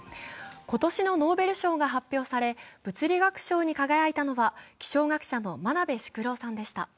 今年のノーベル賞が発表され、物理学賞に輝いたのは気象学者の真鍋淑郎さんでした。